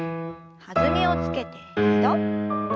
弾みをつけて２度。